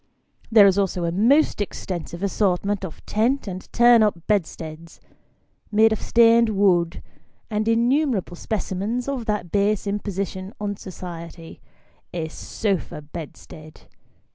There is also a most extensive assortment of tent and turn up bedsteads, made of stained wood, and innumerable specimens of that base imposition on society a sofa bedstead.